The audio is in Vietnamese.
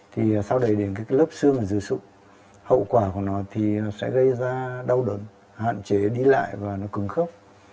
thì sau đấy đến cái lớp xương ở dưới sụn hậu quả của nó thì sẽ gây ra đau đớn hạn chế đi lại và nó cứng khớp